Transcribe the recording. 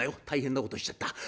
大変なことしちゃった。